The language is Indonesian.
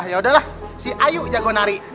ah yaudahlah si ayu jago nari